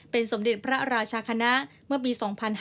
สมเด็จพระราชาคณะเมื่อปี๒๕๕๙